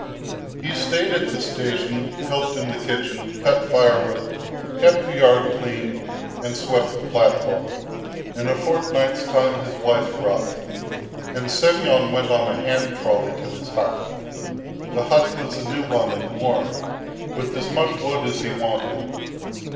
He stayed at the station, helped in the kitchen, cut firewood, kept the yard clean, and swept the platform. In a fortnight's time his wife arrived, and Semyon went on a hand trolley to his hut. The hut was a new one and warm, with as much wood as he wanted.